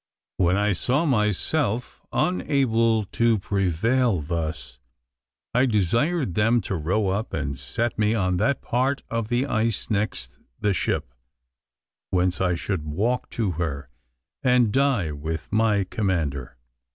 When I saw myself unable to prevail thus, I desired them to row up and set me on that part of the ice next the ship, whence I should walk to her, and die with my commander.